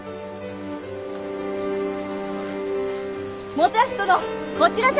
元康殿こちらじゃ！